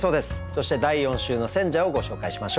そして第４週の選者をご紹介しましょう。